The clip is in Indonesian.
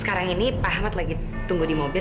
sekarang ini pak ahmad lagi tunggu di mobil